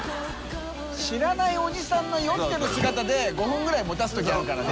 知らないおじさんの酔ってる姿で５分ぐらいもたす時あるからね。